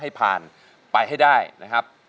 ให้ผ่านไปให้ได้นะครับ